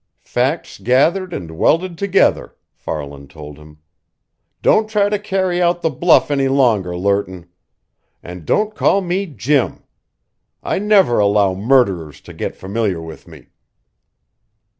"Facts gathered and welded together," Farland told him. "Don't try to carry out the bluff any longer, Lerton. And don't call me Jim. I never allow murderers to get familiar with me!"